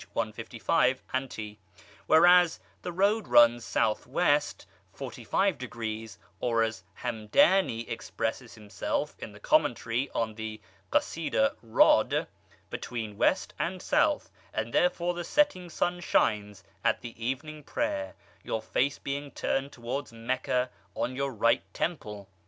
155, ante), whereas the road runs S.W. 45°, or, as Hamdany expresses himself in the commentary on the Qacyda Rod., Between west and south; and therefore the setting sun shines at the evening prayer (your face being turned towards Meccah) on your right temple.